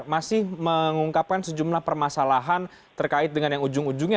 masih mengungkapkan sejumlah permasalahan terkait dengan yang ujung ujungnya